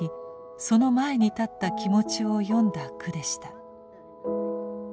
その前に立った気持ちを詠んだ句でした。